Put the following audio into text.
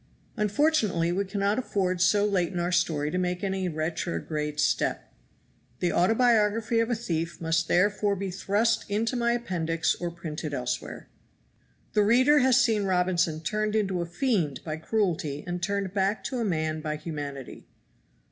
Unfortunately we cannot afford so late in our story to make any retrograde step. The "Autobiography of a Thief" must therefore be thrust into my Appendix or printed elsewhere. The reader has seen Robinson turned into a fiend by cruelty and turned back to a man by humanity.